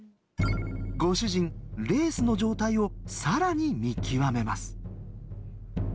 ご主人レースの状態を更に見極めます。